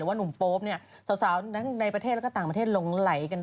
เออมีเพลงของพี่พี่เปิดมา